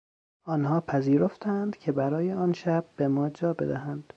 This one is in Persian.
آنها پذیرفتند که برای آنشب به ما جا بدهند.